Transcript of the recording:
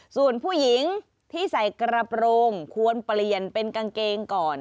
ส่วนผู้หญิงที่ใส่กระโปรงควรเปลี่ยนเป็นกางเกงก่อน